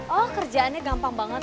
oh kerjaannya gampang banget